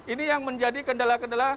ini yang menjadi kendala kendala